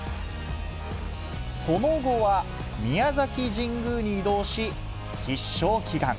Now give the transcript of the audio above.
その後は、宮崎神宮に移動し、必勝祈願。